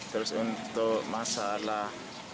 terus untuk masalah